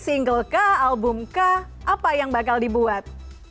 single kah album kah apa yang bakal dibuat